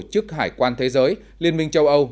tổng thư ký tổ chức hải quan thế giới liên minh châu âu